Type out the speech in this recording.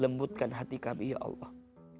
lembutkan hati kami ya allah